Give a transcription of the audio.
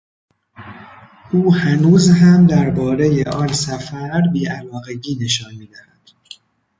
او هنوز هم دربارهی آن سفر بی علاقگی نشان میدهد.